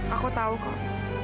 aku tahu kok